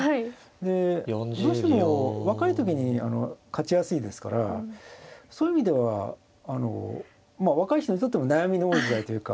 でどうしても若い時に勝ちやすいですからそういう意味ではまあ若い人にとっても悩みの多い時代というか。